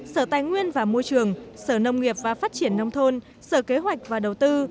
sở tài nguyên và môi trường sở nông nghiệp và phát triển nông thôn sở kế hoạch và đầu tư